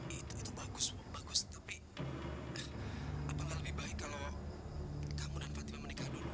itu belum ngobrol sama kak ia